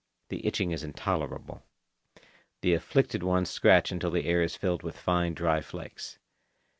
The itching is intolerable. The afflicted ones scratch until the air is filled with fine dry flakes.